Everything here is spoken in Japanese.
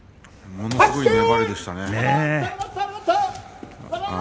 ものすごい粘りでした。